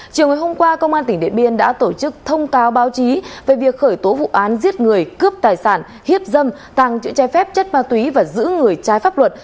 chiều hôm qua công an tỉnh điện biên đã tổ chức thông cao báo chí về việc khởi tố vụ án giết người cướp tài sản hiếp dâm tăng chữ chai phép chất ma túy và giữ người chai pháp luật